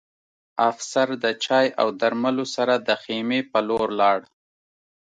افسر د چای او درملو سره د خیمې په لور لاړ